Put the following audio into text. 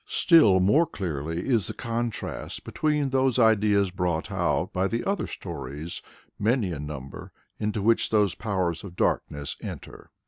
Still more clearly is the contrast between those ideas brought out by the other stories, many in number, into which those powers of darkness enter.